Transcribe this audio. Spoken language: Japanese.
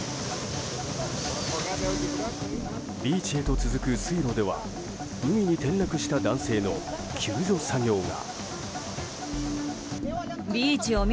ビーチへと続く水路では海に転落した男性の救助作業が。